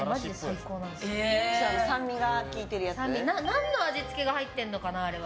何の味付けが入ってるのかなあれは。